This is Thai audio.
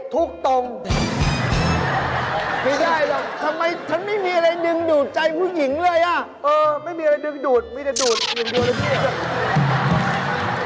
ถูกตรงไม่ได้แบบทำไมฉันไม่มีอะไรดึงดูดใจผู้หญิงเลยไม่มีอะไรดึงดูดไม่ได้ดูดดึงดูดอะไรแบบนี้